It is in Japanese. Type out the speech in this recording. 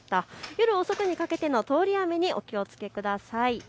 夜遅くにかけての通り雨にお気をつけください。